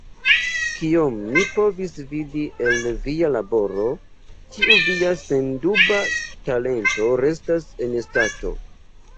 Kiom mi povis vidi el via laboro, tiu via senduba talento restas en stato.